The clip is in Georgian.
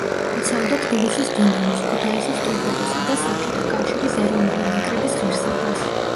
იცავდა თბილისის „დინამოს“, ქუთაისის „ტორპედოსა“ და საბჭოთა კავშირის ეროვნული ნაკრების ღირსებას.